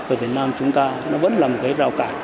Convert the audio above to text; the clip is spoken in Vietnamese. ở việt nam chúng ta nó vẫn là một cái rào cản